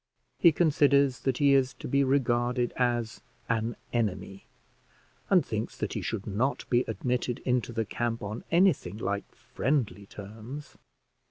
He considers that he is to be regarded as an enemy, and thinks that he should not be admitted into the camp on anything like friendly terms.